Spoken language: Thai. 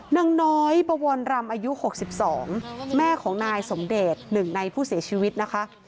นางน้อยบวรรำอายุ๖๒แม่ของนายสมเดช๑ในผู้เสียชีวิตนะคะ